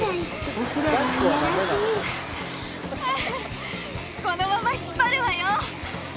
お風呂がイヤらしいこのまま引っ張るわよ